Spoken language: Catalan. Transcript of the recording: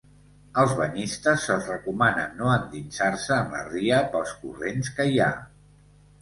Als banyistes se'ls recomana no endinsar-se en la ria pels corrents que hi ha.